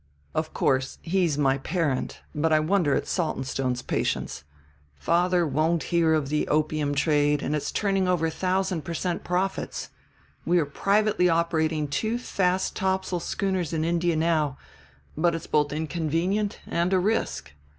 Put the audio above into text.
"Of course, he's my parent; but I wonder at Saltonstone's patience. Father won't hear of the opium trade and it's turning over thousand per cent profits. We are privately operating two fast topsail schooners in India now, but it's both inconvenient and a risk.